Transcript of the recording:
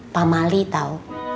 pak mali tau